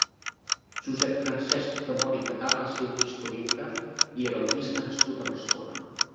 Josep Francesc de Móra i Catà va ser un historiògraf i heraldista nascut a Barcelona.